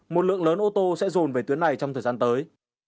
một lượng lớn ô tô sẽ rồn về tuyến này trong thời gian tới